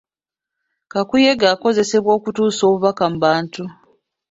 Kakuyege akozesebwa okutuusa obubaka mu bantu.